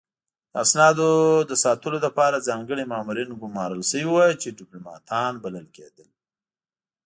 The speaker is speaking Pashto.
د اسنادو د ساتلو لپاره ځانګړي مامورین ګمارل شوي وو چې ډیپلوماتان بلل کېدل